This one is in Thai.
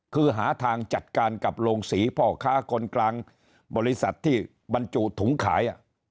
คือหาทางจัดการกับโรงศรีพ่อค้าคนกลางบริษัทที่บรรจุถุงขาย